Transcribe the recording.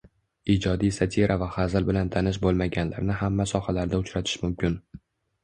Ijodiy satira va hazil bilan tanish bo'lmaganlarni hamma sohalarda uchratish mumkin